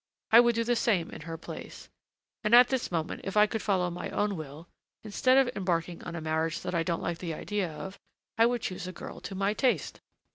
I would do the same in her place and at this moment, if I could follow my own will, instead of embarking on a marriage that I don't like the idea of, I would choose a girl to my taste."